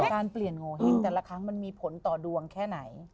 การเปลี่ยนโงเห็งแต่ละครั้งมันมีผลต่อดวงแค่ไหน